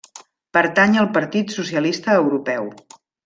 Pertany al Partit Socialista Europeu.